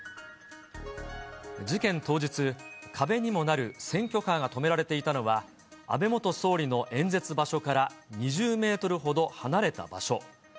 事件当日、壁にもなる選挙カーが止められていたのは、安倍元総理の演説場所から２０メートルほど離れた場所。